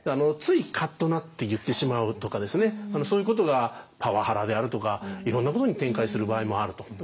ついカッとなって言ってしまうとかそういうことがパワハラであるとかいろんなことに展開する場合もあると。